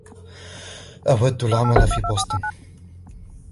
أود العمل في بوستن.